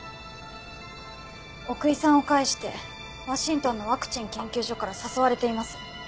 奥居さんを介してワシントンのワクチン研究所から誘われています。